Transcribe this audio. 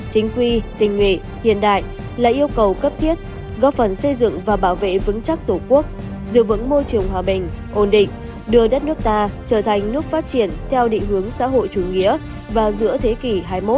chính quy tình nguyện hiện đại là yêu cầu cấp thiết góp phần xây dựng và bảo vệ vững chắc tổ quốc giữ vững môi trường hòa bình ổn định đưa đất nước ta trở thành nước phát triển theo định hướng xã hội chủ nghĩa vào giữa thế kỷ hai mươi một